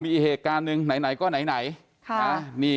มีอีกเหตุการณ์หนึ่งไหนก็ไหน